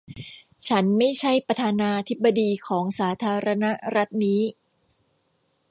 ฉันไม่ใช่ประธานาธิบดีของสาธารณรัฐนี้